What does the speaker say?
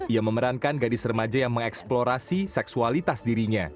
ia memerankan gadis remaja yang mengeksplorasi seksualitas dirinya